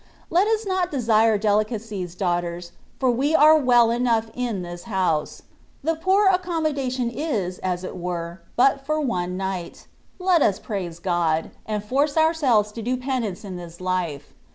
Let us not desire delicacies, daughters, for we are well enough in this house. The poor accommodation is, aa it were, but for one night : let us praise fiod, and force ourselves to do penance in this life.